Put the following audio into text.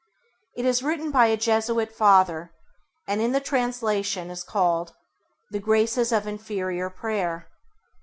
It is written by a Jesuit father, and in the translation is called The Graces of Interior Prayer.